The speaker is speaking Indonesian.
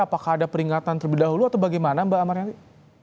apakah ada peringatan terlebih dahulu atau bagaimana mbak amarendi